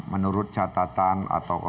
menurut catatan atau